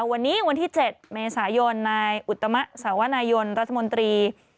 วันนี้วันที่๗เมษายนนายอุตมะสาวนายนรัฐมนตรี